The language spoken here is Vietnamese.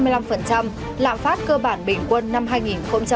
lạm phát cơ bản bình quân năm hai nghìn hai mươi ba tăng bốn một mươi sáu